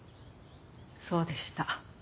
そうでした。